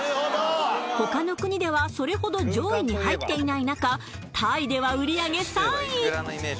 他の国ではそれほど上位に入っていない中タイでは売り上げ３位。